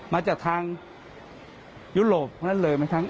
มาจากทางยุโรปกันได้เลย